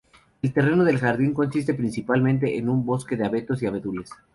El terreno del jardín consiste principalmente en un bosque de abetos y abedules.